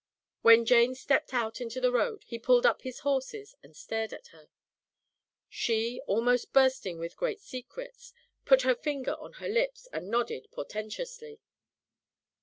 When Jane stepped out into the road he pulled up his horses and stared at her. She, almost bursting with her great secrets, put her finger on her lips and nodded portentously.